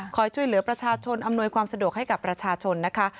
ช่วยเหลือประชาชนอำนวยความสะดวกให้กับประชาชนนะคะ